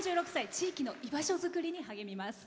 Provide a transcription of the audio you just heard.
地域の居場所作りに励みます。